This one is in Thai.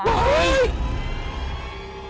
เฮ้ย